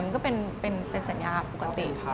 มันก็เป็นสัญญาปกติ